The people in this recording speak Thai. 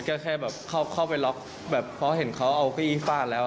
ก็แค่แบบเข้าไปล็อกแบบเพราะเห็นเขาเอาเก้าอี้ฟาดแล้ว